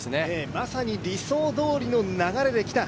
まさに理想どおりの流れできた。